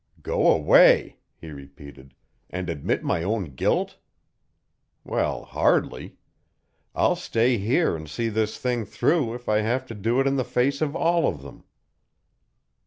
"Go away," he repeated, "and admit my own guilt? Well, hardly. I'll stay here and see this thing through if I have to do it in the face of all of them."